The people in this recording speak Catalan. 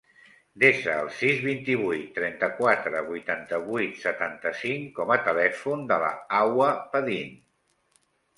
Desa el sis, vint-i-vuit, trenta-quatre, vuitanta-vuit, setanta-cinc com a telèfon de la Hawa Padin.